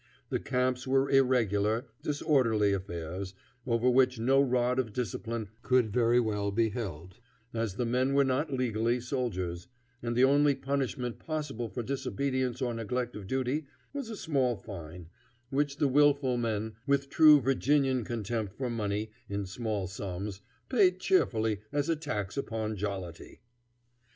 The camps were irregular, disorderly affairs, over which no rod of discipline could very well be held, as the men were not legally soldiers, and the only punishment possible for disobedience or neglect of duty was a small fine, which the willful men, with true Virginian contempt for money in small sums, paid cheerfully as a tax upon jollity.